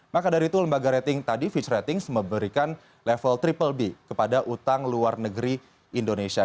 maka dari itu lembaga rating tadi fitch ratings memberikan level triple b kepada utang luar negeri indonesia